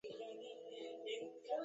আমার কথা শুনতে পাচ্ছো?